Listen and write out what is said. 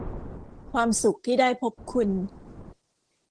ความสุขที่ได้พบคุณ